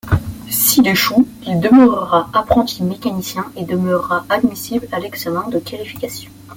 S'il échoue, il demeurera apprenti-mécanicien et demeurera admissible à l'examen de qualification.